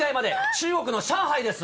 中国の上海です。